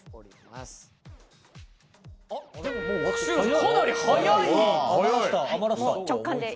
かなり早い。